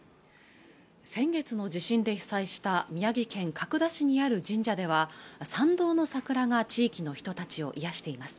先月の地震で被災した宮城県角田市にある神社では参道の桜が地域の人たちを癒しています